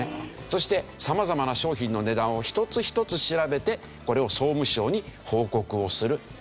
そして様々な商品の値段を一つ一つ調べてこれを総務省に報告をするというわけですね。